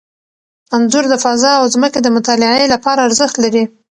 انځور د فضا او ځمکې د مطالعې لپاره ارزښت لري.